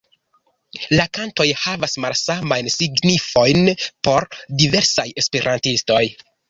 La kantoj havas malsamajn signifojn por diversaj esperantistoj.